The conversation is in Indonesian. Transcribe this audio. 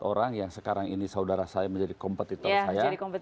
orang yang sekarang ini saudara saya menjadi kompetitor saya